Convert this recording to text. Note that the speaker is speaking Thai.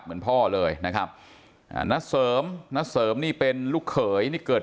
เหมือนพ่อเลยนะครับณเสริมณเสริมนี่เป็นลูกเขยนี่เกิด